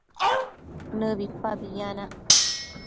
nëbipabi yanac